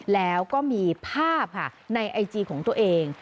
แล้วก็มีภาพค่ะในไอจีของตัวเอง